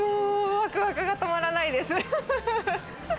ワクワクが止まらないです。